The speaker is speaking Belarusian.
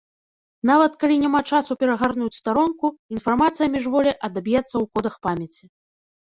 Нават калі няма часу перагарнуць старонку, інфармацыя міжволі адаб'ецца ў кодах памяці.